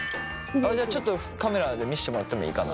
あっじゃあちょっとカメラで見せてもらってもいいかな？